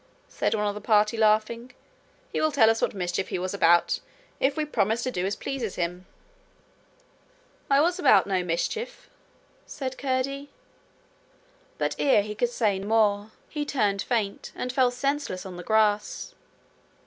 said one of the party, laughing. 'He will tell us what mischief he was about, if we promise to do as pleases him.' 'I was about no mischief,' said Curdie. But ere he could say more he turned faint, and fell senseless on the grass.